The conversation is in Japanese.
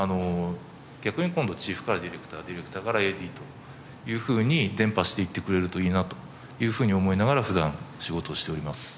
逆に今度チーフからディレクターディレクターからＡＤというふうに伝播していってくれるといいなというふうに思いながら普段仕事をしております。